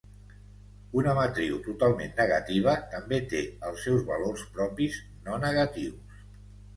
Una matriu totalment negativa també té els seus valors propis no-negatius.